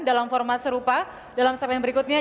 dalam format serupa dalam saat yang berikutnya